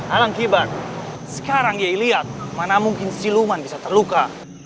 alangkibat sekarang yei lihat mana mungkin siluman bisa terluka